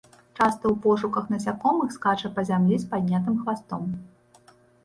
Часта ў пошуках насякомых скача па зямлі з паднятым хвастом.